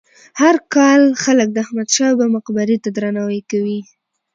هر کال خلک د احمد شاه بابا مقبرې ته درناوی کوي.